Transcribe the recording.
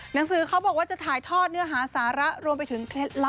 หนังสือเขาบอกว่าจะถ่ายทอดเนื้อหาสาระ